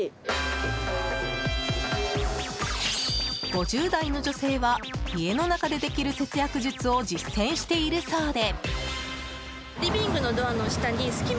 ５０代の女性は家の中でできる節約術を実践しているそうで。